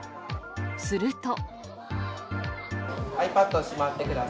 すると。